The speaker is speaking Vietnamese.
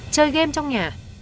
chơi game trong nhà